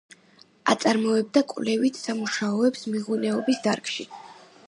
აწარმოებდა კვლევით სამუშაოებს მეღვინეობის დარგში.